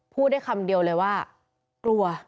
พูดได้คำเดียวเลยว่ากลัว